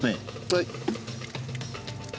はい。